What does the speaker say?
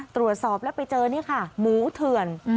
ตรวจสอบแล้วไปเจอนี่ค่ะหมูเถื่อน